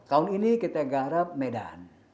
tahun ini kita garap medan